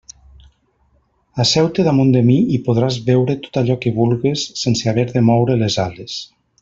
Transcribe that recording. Asseu-te damunt de mi i podràs veure tot allò que vulgues sense haver de moure les ales.